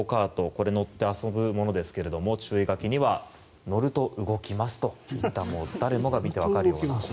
これ、乗って遊ぶものですが注意書きには乗ると動きますといった誰もが見て分かるような。